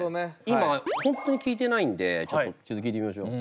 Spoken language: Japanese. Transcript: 今本当に聴いてないんでちょっと聴いてみましょう。